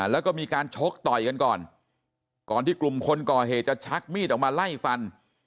แล้วก็มีการชกต่อยกันก่อนก่อนที่กลุ่มคนก่อเหตุจะชักมีดออกมาไล่ฟัน